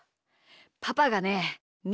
パパがねみ